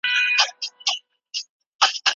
مشرانو به نوي تړونونه لاسلیک کول.